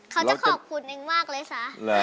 เขาจะขอบคุณเองมากเลยสา